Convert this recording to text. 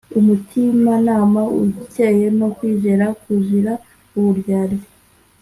umutimanama ukeye no kwizera kuzira uburyarya